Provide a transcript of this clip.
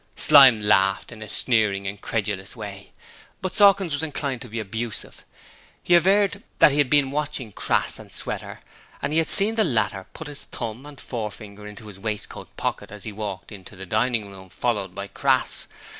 Slyme laughed in a sneering, incredulous way, but Sawkins was inclined to be abusive. He averred that he had been watching Crass and Sweater and had seen the latter put his thumb and finger into his waistcoat pocket as he walked into the dining room, followed by Crass.